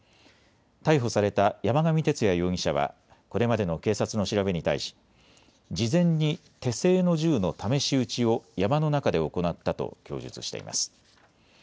逮捕された山上徹也容疑者はこれまでの警察の調べに対し事前に手製の銃の試し撃ちを山の中で行ったと供述しています。